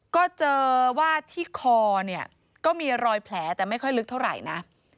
ก็เจอว่าที่คอเนี่ยก็มีรอยแผลแต่ไม่ค่อยลึกเท่าไหร่นะ